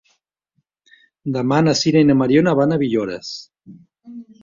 Demà na Sira i na Mariona van a Villores.